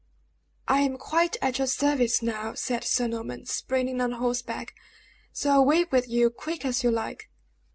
"I am quite at your service now," said Sir Norman, springing on horseback; "so away with you, quick as you like."